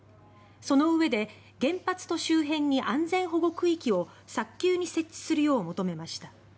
そのうえで、原発と周辺に安全保護区域を早急に設置するよう求めました。